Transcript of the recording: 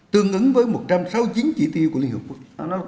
tương ứng với một trăm sáu mươi chín chỉ tiêu của liên hợp quốc